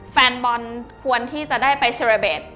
แฟนบอลควรที่จะได้ไปเชราเบส